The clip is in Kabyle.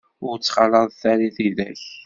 Ur ttxalaḍet ara tidak.